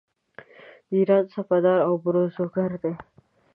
د ایران سپهدار او پیروزګر دی.